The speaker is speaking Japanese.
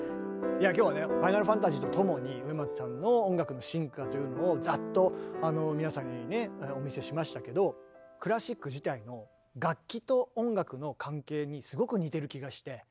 いや今日はね「ファイナルファンタジー」とともに植松さんの音楽の進化というのをざっと皆さんにねお見せしましたけどにすごく似てる気がして。